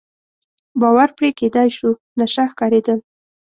باور پرې کېدای شو، نشه ښکارېدل.